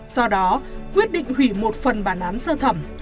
do đó quyết định hủy một phần bản án sơ thẩm